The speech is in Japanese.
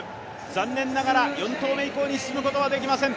残念ながら４投目以降に進むことはできません。